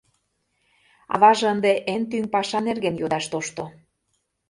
Аваже ынде эн тӱҥ паша нерген йодаш тошто: